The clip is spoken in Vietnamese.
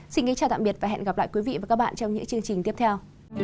xin kính chào tạm biệt và hẹn gặp lại quý vị và các bạn trong những chương trình tiếp theo